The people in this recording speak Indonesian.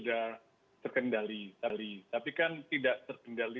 jika sudah rendah di bawah satu itu artinya kan virus sudah terkendali